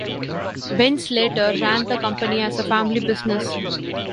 Bentz later ran the company as a family business.